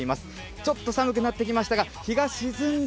ちょっと寒くなってきましたが、日が沈んだ